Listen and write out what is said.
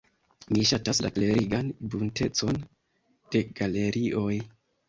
Mi ŝatas la klerigan buntecon de galerioj.